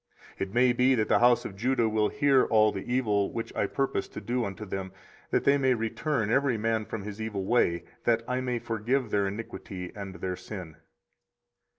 24:036:003 It may be that the house of Judah will hear all the evil which I purpose to do unto them; that they may return every man from his evil way; that I may forgive their iniquity and their sin.